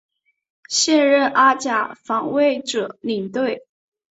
现任阿甲防卫者领队。